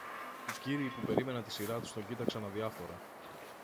Οι κύριοι που περίμεναν τη σειρά τους τον κοίταξαν αδιάφορα